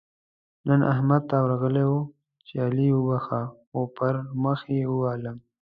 نن احمد ته ورغلی وو؛ چې علي وبښه - خو پر مخ يې ووهلم.